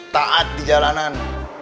taat di jalanan